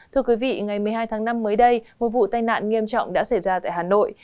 thưa quý vị ngày một mươi hai tháng năm mới đây một vụ tai nạn nghiêm trọng đã xảy ra tại hà nội